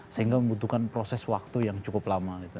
sehingga membutuhkan proses waktu yang cukup lama